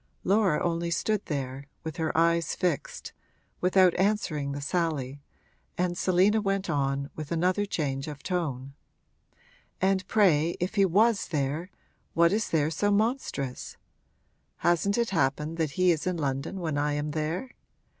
Laura only stood there, with her eyes fixed, without answering the sally, and Selina went on, with another change of tone: 'And pray if he was there, what is there so monstrous? Hasn't it happened that he is in London when I am there?